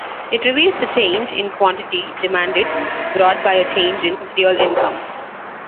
It reveals the change in quantity demanded brought by a change in real income.